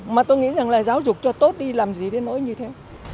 mà tôi nghĩ rằng là giáo dục cho tốt đi làm gì đến nỗi như thế